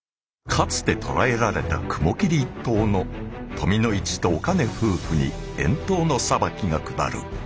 かつて捕らえられた雲霧一党の富の市とおかね夫婦に遠島の裁きが下る。